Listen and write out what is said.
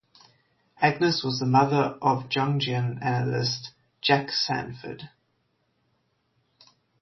Agnes was the mother of Jungian analyst Jack Sanford.